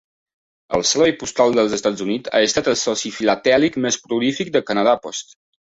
El Servei Postal dels Estats Units ha estat el soci filatèlic més prolífic de Canada Post.